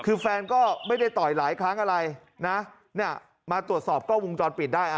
คือแฟนก็ไม่ได้ต่อยหลายครั้งอะไรนะเนี่ยมาตรวจสอบกล้องวงจรปิดได้